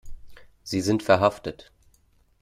Sie sind verhaftet.